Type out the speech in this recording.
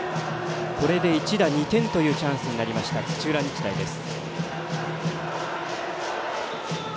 １打２点というチャンスになりました土浦日大です。